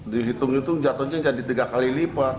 dihitung hitung jatuhnya jadi tiga kali lipat